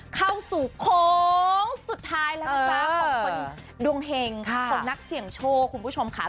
เข้าสู่โค้งสุดท้ายแล้วนะจ๊ะของคนดวงเห็งคนนักเสี่ยงโชคคุณผู้ชมค่ะ